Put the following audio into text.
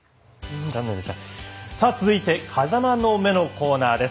続いて「風間の目」のコーナーです。